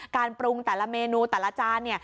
การปรุงแต่ละเมนูแต่ละจาน